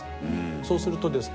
そうするとですね